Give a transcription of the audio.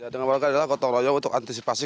dengan warga ini ketong royong untuk antisipasi